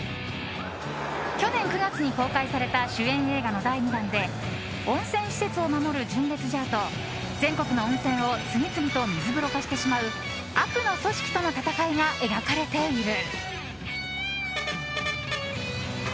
去年９月に公開された主演映画の第２弾で温泉施設を守る純烈ジャーと全国の温泉を次々と水風呂化してしまう悪の組織との戦いが描かれている。